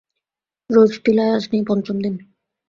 রোজ তিলায় আজ নিয়ে পঞ্চম দিন!